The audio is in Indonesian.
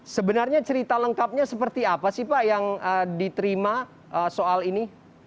sebenarnya cerita lengkapnya seperti apa sih pak yang diterima soal ini